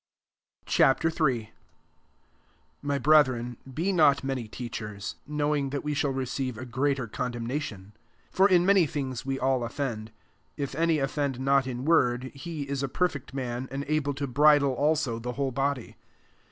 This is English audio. Ch. III. 1 Mt brethren, be not many teachers ; knowing that we shall receive a greater condemnation. 2 For in many things we all offend : if any of fend not in word, he ^ a perfect man, and able to bridle also the whole body.